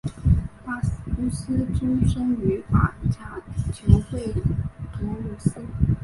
巴夫斯出身于法甲球会图卢兹。